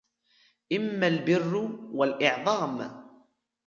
إمَّا الْبِرُّ وَالْإِعْظَامُ